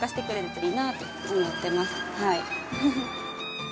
はい。